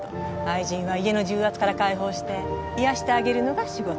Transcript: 愛人は家の重圧から解放していやしてあげるのが仕事。